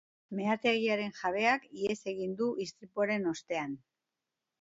Meategiaren jabeak ihes egin du istripuaren ostean.